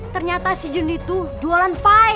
ternyata si jun itu jualan pie